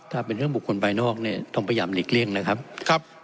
ถ้าเป็นเรื่องบุคคลภายนอกเนี่ยต้องพยายามหลีกเลี่ยงนะครับ